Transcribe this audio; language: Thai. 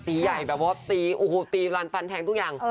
ตีใหญ่แบบว่าตีหลังฟันแทงทุกอย่าง